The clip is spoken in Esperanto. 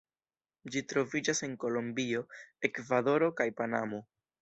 Ĝi troviĝas en Kolombio, Ekvadoro kaj Panamo.